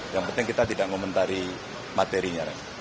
yang penting kita tidak mengomentari materinya